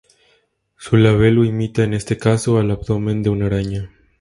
Su labelo imita en este caso al abdomen de una araña.